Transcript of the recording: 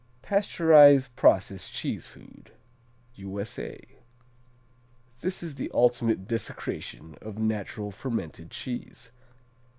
Pasteurized Process Cheese Food U.S.A. This is the ultimate desecration of natural fermented cheese.